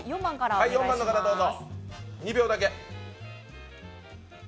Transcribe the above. ４番の方どうぞ。